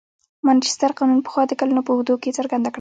مانچستر قانون پخوا د کلونو په اوږدو کې څرګنده کړه.